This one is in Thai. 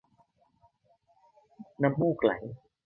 น้ำมูกไม่ไหล